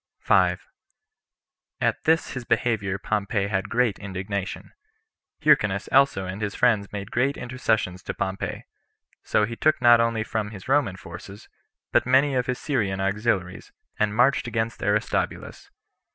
5. At this his behavior Pompey had great indignation; Hyrcanus also and his friends made great intercessions to Pompey; so he took not only his Roman forces, but many of his Syrian auxiliaries, and marched against Aristobulus.